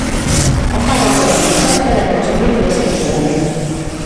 O párroco Don José era conselleiro desa entidade.